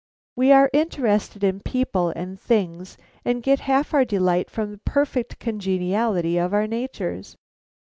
"We are interested in people and things, and get half our delight from the perfect congeniality of our natures.